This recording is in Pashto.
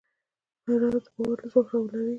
اراده د باور له ځواک راولاړېږي.